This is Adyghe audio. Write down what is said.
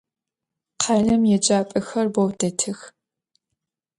Khalem yêcap'exer beu detıx.